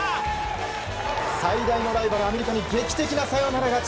最大のライバル、アメリカに劇的なサヨナラ勝ち。